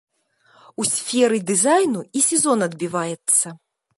У сферы дызайну і сезон адбіваецца.